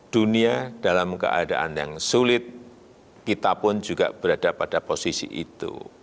dunia dalam keadaan yang sulit kita pun juga berada pada posisi itu